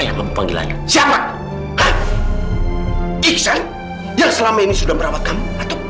ya allah mas wisnu